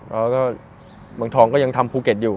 แล้วก็เมืองทองก็ยังทำภูเก็ตอยู่